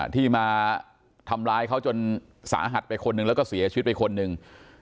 ที่มาทำร้ายเขาจนสาหัสไปคนหนึ่งแล้วก็เสียชีวิตไปคนหนึ่ง